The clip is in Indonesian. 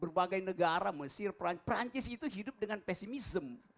berbagai negara mesir perancis itu hidup dengan pesimism